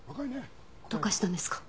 どうかしたんですか？